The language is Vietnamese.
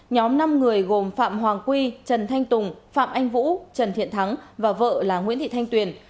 nhóm năm người gồm phạm hoàng quy trần thanh tùng phạm anh vũ trần thiện thắng và vợ là nguyễn thị thanh tuyền